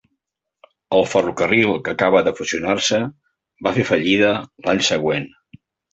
El ferrocarril que acabava de fusionar-se va fer fallida l'any següent.